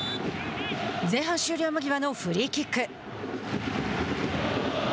前半終了間際のフリーキック。